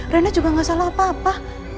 rana juga gak salah apa apa